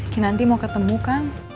kinanti mau ketemu kang